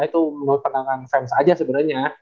itu menurut penangan fans aja sebenernya